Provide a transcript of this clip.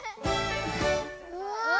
うわ！